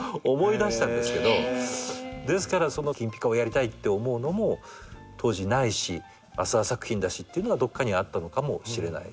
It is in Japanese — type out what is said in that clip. ですから『きんぴか』をやりたいって思うのも当時ないし浅田作品だしっていうのがどっかにあったのかもしれないですね。